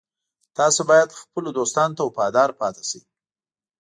تاسو باید خپلو دوستانو ته وفادار پاتې شئ